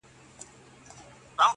ستا د څوڼو ځنگلونه زمـا بــدن خـوري~